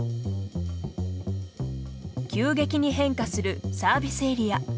急激に変化するサービスエリア。